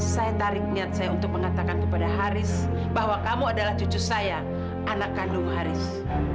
saya tarik niat saya untuk mengatakan kepada haris bahwa kamu adalah cucu saya anak kandung haris